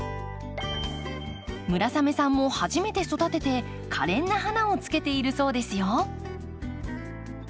村雨さんも初めて育ててかれんな花をつけているそうですよ。